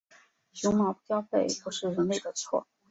熊猫不交配不是人类的错。